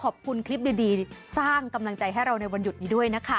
ขอบคุณคลิปดีสร้างกำลังใจให้เราในวันหยุดนี้ด้วยนะคะ